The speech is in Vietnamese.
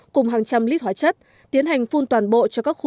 cùng hàng trăm lít hóa chất tiến hành phun toàn bộ cho các khu